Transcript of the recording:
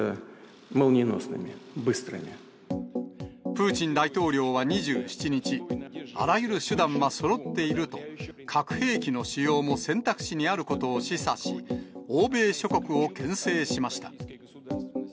プーチン大統領は２７日、あらゆる手段はそろっていると、核兵器の使用も選択肢にあることを示唆し、欧米諸国をけん制しました。